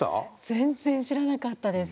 全然知らなかったです。